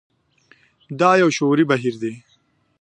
دا يو شعوري بهير دی.